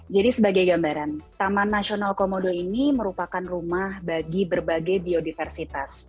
jadi sebagai gambaran taman nasional komodo ini merupakan rumah bagi berbagai biodiversitas